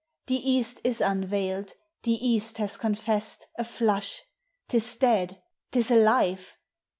The Eas1 is unveiled, (he Kasl h;is confessed A Hush: 't is dead! 't is alive!